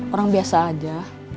orang biasa aja